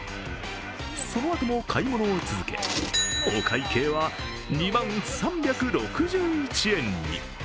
そのあとも買い物を続け、お会計は２万３６１円に。